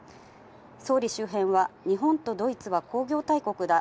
総理周辺は、日本とドイツは工業大国だ。